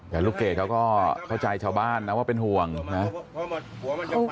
แต่ลูกเกดเขาก็เข้าใจชาวบ้านนะว่าเป็นห่วงนะ